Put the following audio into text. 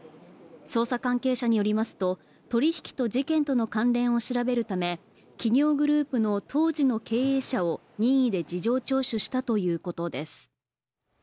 捜査関係者によりますと、取り引きと事件との関連を調べるため、企業グループの当時の経営者を任意で事情聴取したということです。